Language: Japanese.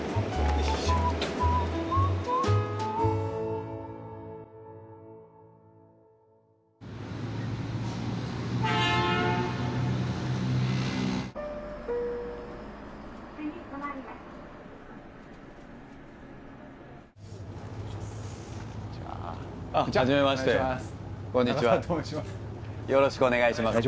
よろしくお願いします。